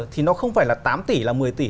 thì nó không phải là tám tỷ là một mươi tỷ